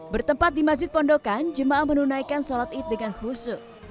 bertempat di masjid pondokan jemaah menunaikan sholat id dengan khusyuk